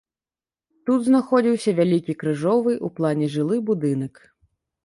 Тут знаходзіўся вялікі крыжовы ў плане жылы будынак.